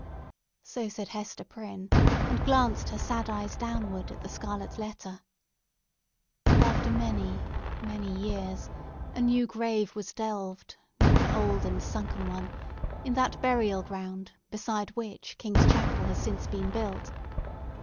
So said Hester Prynne, and glanced her sad eyes downward at the scarlet letter. And, after many, many years, a new grave was delved, near an old and sunken one, in that burial ground beside which King's Chapel has since been built.